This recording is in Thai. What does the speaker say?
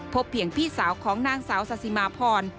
เพียงพี่สาวของนางสาวสาธิมาพร